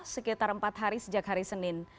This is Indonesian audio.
sekitar empat hari sejak hari senin